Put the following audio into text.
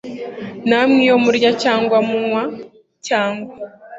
Namwe iyo murya cyangwa munywa cyangwa